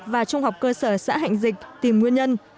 và trung học cơ sở xã hạnh dịch tìm nguyên nhân